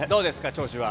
調子は。